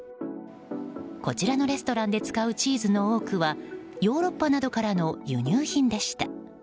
こちらのレストランで使うチーズの多くはヨーロッパなどからの輸入品でした。